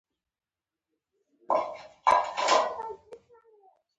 اکبر جان وویل: نو د څه لپاره دا ټوپک را اخلې.